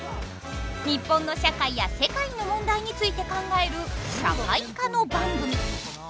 日本の社会や世界の問題について考える社会科の番組。